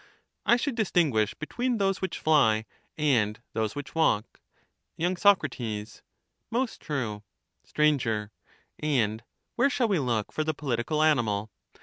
I should distinguish between those which fly and those which walk. y. Soc. Most true. Sir. And where shall we look for the f)olitical animal?